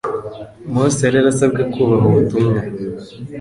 Mose yari yarasabwe kubaha ubutumwa